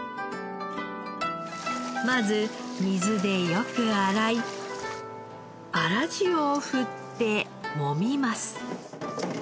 まず水でよく洗い粗塩を振ってもみます。